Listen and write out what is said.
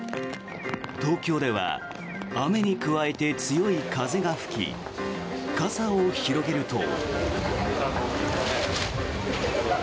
東京では雨に加えて、強い風が吹き傘を広げると。